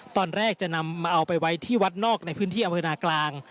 ตอนแรกจะนำมาเอาไปไว้ที่วัดนอกในพื้นที่อำเภอนากลาง